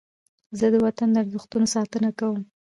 زه د وطن د ارزښتونو ساتنه کوم.